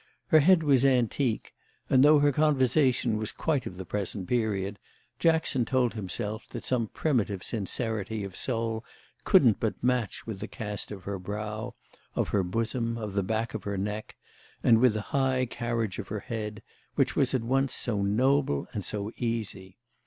Her head was antique, and though her conversation was quite of the present period Jackson told himself that some primitive sincerity of soul couldn't but match with the cast of her brow, of her bosom, of the back of her neck, and with the high carriage of her head, which was at once so noble and so easy.